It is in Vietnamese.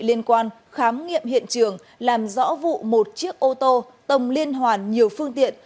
liên quan khám nghiệm hiện trường làm rõ vụ một chiếc ô tô tổng liên hoàn nhiều phương tiện